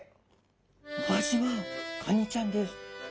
お味はカニちゃんです。